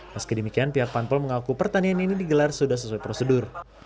meski demikian pihak pampol mengaku pertanian ini digelar sudah sesuai prosedur